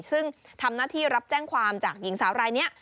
ซึ่งทำหน้าที่รับแจ้งความจากหญิงสาวรายนี้